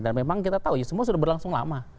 dan memang kita tahu ya semua sudah berlangsung lama